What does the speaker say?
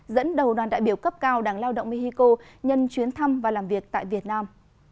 dẫn đầu đoàn đại biểu cấp cao đảng lao động mexico nhân chuyến thăm và làm việc tại việt nam